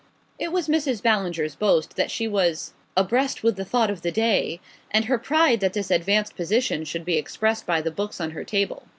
It was Mrs. Ballinger's boast that she was "abreast with the Thought of the Day," and her pride that this advanced position should be expressed by the books on her table.